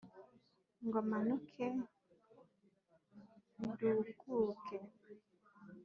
ngo manuke ndukuke